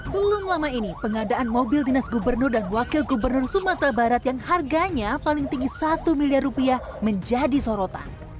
belum lama ini pengadaan mobil dinas gubernur dan wakil gubernur sumatera barat yang harganya paling tinggi satu miliar rupiah menjadi sorotan